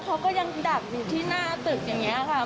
เขาก็ยังดักอยู่ที่หน้าตึกอย่างนี้ค่ะ